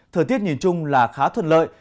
thời tiết nhìn chung là khá thuận lợi